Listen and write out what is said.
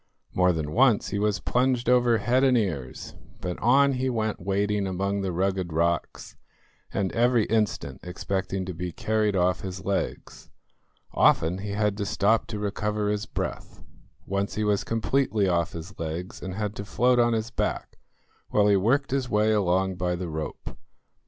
More than once he was plunged over head and ears, but on he went wading among the rugged rocks, and every instant expecting to be carried off his legs. Often he had to stop to recover his breath. Once he was completely off his legs and had to float on his back, while he worked his way along by the rope.